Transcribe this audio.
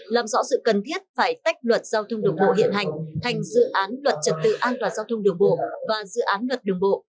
làm rõ sự cần thiết phải tách luật giao thông đường bộ hiện hành thành dự án luật trật tự an toàn giao thông đường bộ và dự án luật đường bộ